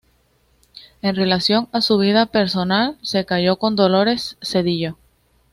En relación a su vida personal, se casó con Dolores Cedillo.